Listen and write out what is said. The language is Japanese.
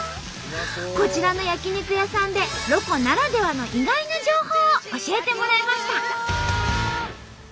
こちらの焼き肉屋さんでロコならではの意外な情報を教えてもらいました！